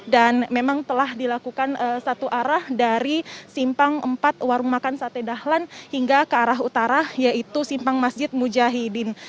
dan memang telah dilakukan satu arah dari simpang empat warung makan sate dahlan hingga ke arah utara yaitu simpang masjid mujahidin